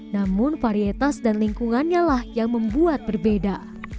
namun varietas dan lingkungannya lah yang membuat berbeda